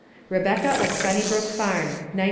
Rebecca of Sunnybrook Farm, 1903.